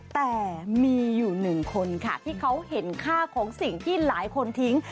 แต่มีอยู่หนึ่งคนค่ะที่เขาเห็นค่าของสิ่งที่หลายคนทิ้ง